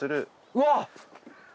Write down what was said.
うわっ！